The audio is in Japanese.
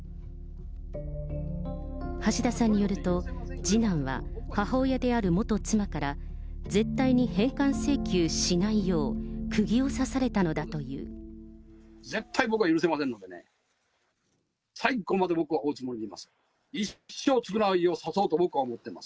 橋田さんによると、次男は母親である元妻から、絶対に返還請求しないよう、絶対僕は許せませんのでね、最後まで僕は追うつもりでいます。